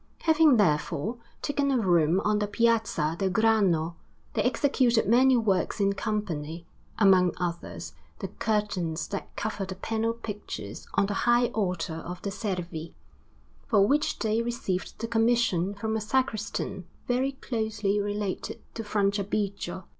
Having therefore taken a room on the Piazza del Grano, they executed many works in company; among others, the curtains that cover the panel pictures on the high altar of the Servi; for which they received the commission from a sacristan very closely related to Franciabigio.